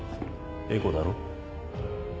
エコだろ？